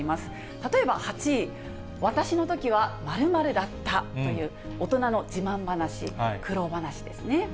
例えば８位、私のときは○○だったという、大人の自慢話、苦労話ですね。